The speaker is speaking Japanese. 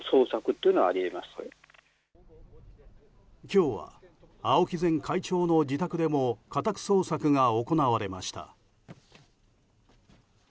今日は青木前会長の自宅でも家宅捜索が行われました。